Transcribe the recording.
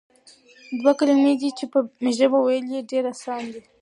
دوه کلمې دي چې په ژبه ويل ئي ډېر آسان دي،